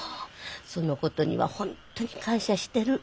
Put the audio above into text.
そのことには本当に感謝してる。